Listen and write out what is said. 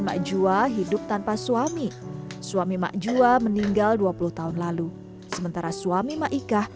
mak jua hidup tanpa suami suami mak jua meninggal dua puluh tahun lalu sementara suami maika